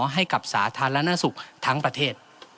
ให้กับสาธารณสุขทั้งประเทศ